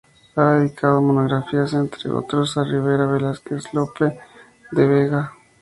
Ha dedicado monografías, entre otros, a Ribera, Velázquez, Lope de Vega.